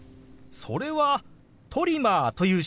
それは「トリマー」という手話ですよ。